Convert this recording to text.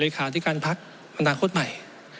เลขาอธิการภักดิ์มนาคตใหม่